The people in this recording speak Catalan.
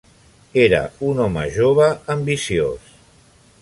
Era un home jove ambiciós.